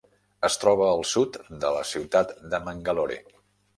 Es troba al sud de la ciutat de Mangalore.